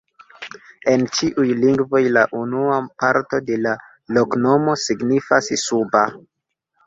En ĉiuj lingvoj la unua parto de la loknomo signifas: suba.